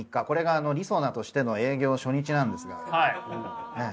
これがりそなとしての営業初日なんですが。